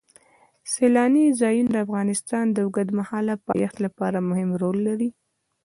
سیلانی ځایونه د افغانستان د اوږدمهاله پایښت لپاره مهم رول لري.